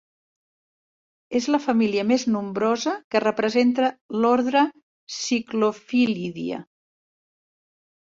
És la família més nombrosa que representa l'ordre Cyclophyllidea.